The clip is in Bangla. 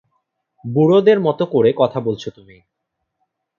বুড়োদের মতো করে কথা বলছো তুমি।